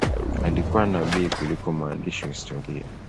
Alikuwa nabii kuliko mwandishi wa historia.